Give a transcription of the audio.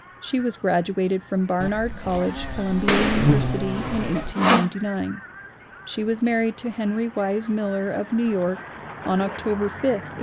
She was graduated from Barnard College, Columbia Uni versity, in 1899. She was married to Henry Wise Miller of New York on October 5, 1899.